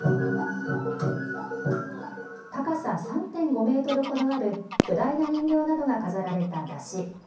高さ３．５メートルほどある巨大な人形などが飾られた山車。